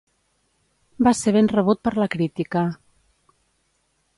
Va ser ben rebut per la crítica.